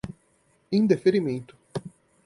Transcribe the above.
indeferimento